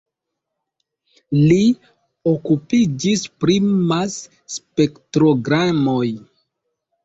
Li okupiĝis pri Mas-spektrogramoj.